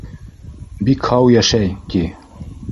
Бик һау йәшәй, ти.